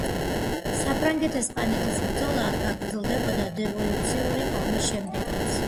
საფრანგეთ-ესპანეთის ბრძოლა გაგრძელდებოდა დევოლუციური ომის შემდეგაც.